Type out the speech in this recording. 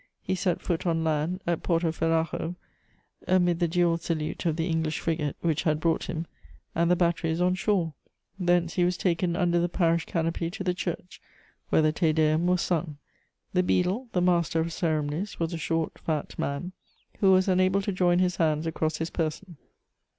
He set foot on land at Porto Ferrajo, amid the dual salute of the English frigate which had brought him and the batteries on shore. Thence he was taken under the parish canopy to the church, where the Te Deum was sung. The beadle, the master of ceremonies, was a short, fat man, who was unable to join his hands across his person.